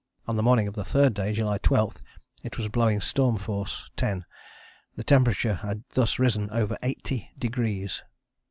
On the morning of the third day (July 12) it was blowing storm force (10). The temperature had thus risen over eighty degrees.